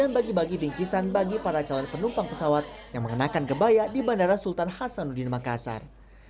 bagi bagi bingkisan bagi para calon penumpang pesawat yang mengenakan gebaya di bandara sultan hasanuddin makassar